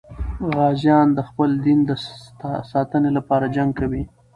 غازیان د خپل دین د ساتنې لپاره جنګ کوي.